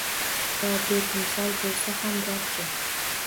Va betimsol boʼlsa ham garchi: